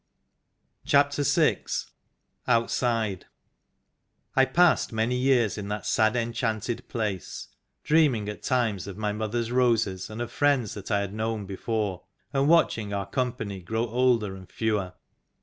VI OUTSIDE I PASSED many years in that sad, enchanted place, dreaming at times of my mother's roses, and of friends that I had known before, and watching our company grow older and fewer.